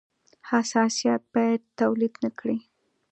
حساسیت باید تولید نه کړي.